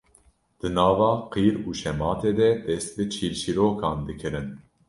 di nava qîr û şematê de dest bi çîrçîrokan dikirin